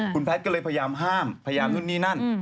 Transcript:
คุณแพทย์ก็เลยพยายามห้ามพยายามนู่นนี่นั่น